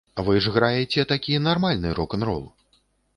Вы ж граеце такі нармальны рок-н-рол.